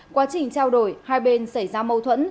quá trình trao đổi hai bên xảy ra mâu thuẫn